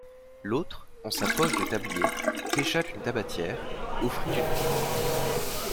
L'autre, en sa poche de tablier, pêcha une tabatière, offrit une prise.